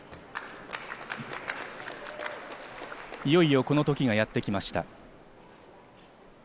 いよいよこの時がやってきました。